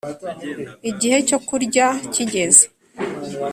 Igihe cyo kurya kigeze